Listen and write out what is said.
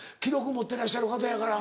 持ってらっしゃる方やから。